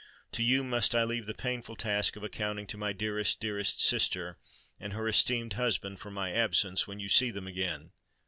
To you must I leave the painful task of accounting to my dearest, dearest sister and her esteemed husband for my absence when you see them again.